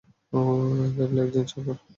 কেবলি একজন চাকর।